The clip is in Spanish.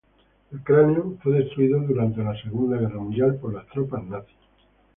El cráneo fue destruido durante la Segunda Guerra Mundial por las tropas nazis.